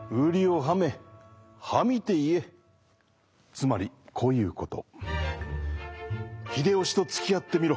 つまりこういうこと。